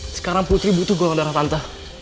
sekarang putri butuh golongan darah pantah